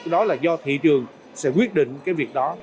đó là do thị trường sẽ quyết định cái việc đó